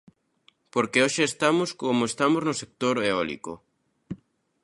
Por que hoxe estamos como estamos no sector eólico?